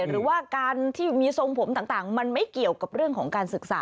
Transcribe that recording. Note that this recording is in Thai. หรือว่าการที่มีทรงผมต่างมันไม่เกี่ยวกับเรื่องของการศึกษา